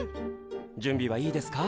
準備はいいですか？